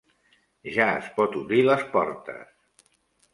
Ja es pot obrir les portes.